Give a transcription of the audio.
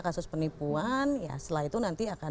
kasus penipuan ya setelah itu nanti akan